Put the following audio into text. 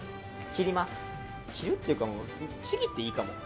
切るっていうかもうちぎっていいかも。